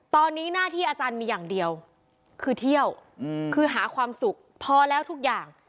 ตอนนี้หน้าที่อาจารย์มีอย่างเดียวคือเที่ยวคือหาความสุขพอแล้วทุกอย่าง